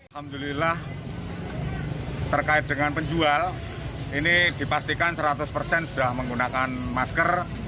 ketika masyarakat menggunakan masker masyarakat yang memiliki masker tidak memiliki masalah